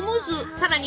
さらに